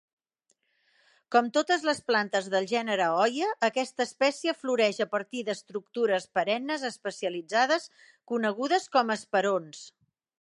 Com totes les plantes del gènere Hoya, aquesta espècie floreix a partir d'estructures perennes especialitzades conegudes com a esperons.